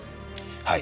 はい。